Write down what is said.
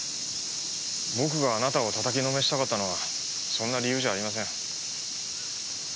僕があなたを叩きのめしたかったのはそんな理由じゃありません。